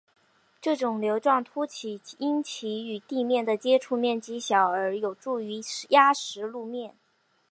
这些瘤状突起因其与地面的接触面积小而有助于压实路面。